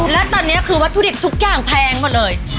และตอนนี้คือวัตถุดิบทุกอย่างแพงหมดเลย